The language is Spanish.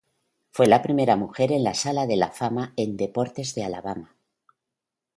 Fue la primera mujer en la Sala de la Fama en Deportes de Alabama.